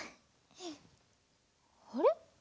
あれ？